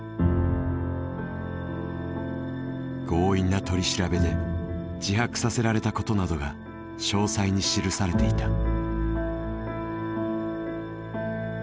強引な取り調べで自白させられたことなどが詳細に記されていた。